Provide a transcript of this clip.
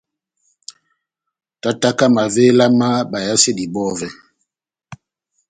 Tátáka mavéla má bayasedi bɔvɛ.